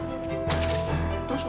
akang wirda bintang